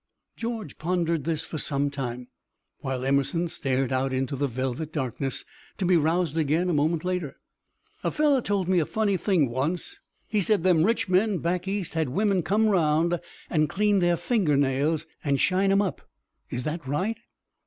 George pondered this for some time, while Emerson stared out into the velvet darkness, to be roused again a moment later. "A feller told me a funny thing once. He said them rich men back East had women come around and clean their finger nails, and shine 'em up. Is that right?"